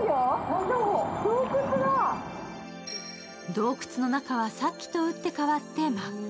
洞窟の中はさっきと打って変わって真っ暗。